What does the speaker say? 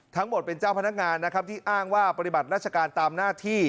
ทั้งหมดเป็นเจ้าพนักงานนะครับที่อ้างว่าปฏิบัติราชการตามหน้าที่